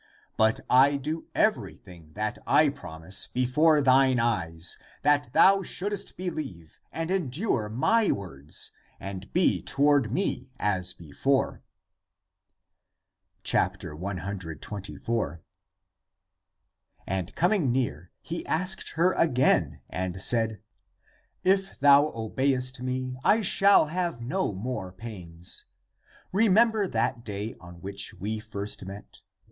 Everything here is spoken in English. But I do everything that I promise before thine eyes, that thou shouldest beheve and endure my words and be toward me as before." 124. And coming near, he asked her again, and said, "If thou obeyest me, I shall have no more pains. Remember that day on which we first met.